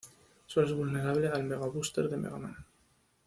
Solo es vulnerable al Mega Buster de Mega Man.